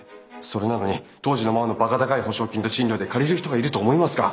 それなのに当時のままのバカ高い保証金と賃料で借りる人がいると思いますか？